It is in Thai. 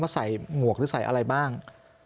ใส่หมวกหรือใส่อะไรบ้าง